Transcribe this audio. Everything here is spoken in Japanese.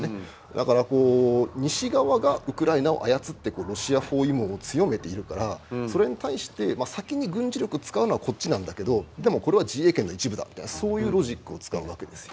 だから西側がウクライナを操ってロシア包囲網を強めているからそれに対して先に軍事力使うのはこっちなんだけどでもこれは自衛権の一部だみたいなそういうロジックを使うわけですよ。